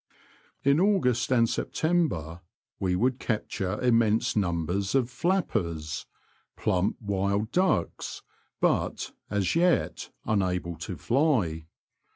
In August and September we would capture immense numbers of '' flappers "— plump wild ducks — but, as yet, unable to fly.